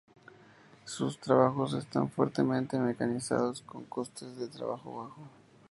Sus trabajos están fuertemente mecanizados, con costes de trabajo bajo.